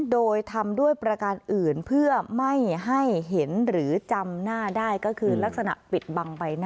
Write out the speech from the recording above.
โดยทำด้วยประการอื่นเพื่อไม่ให้เห็นหรือจำหน้าได้ก็คือลักษณะปิดบังใบหน้า